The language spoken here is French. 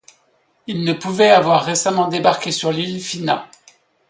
Ils ne pouvaient avoir récemment débarqué sur l’île Phina!